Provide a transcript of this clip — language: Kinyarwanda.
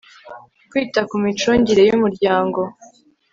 Kwita ku micungire y umuryango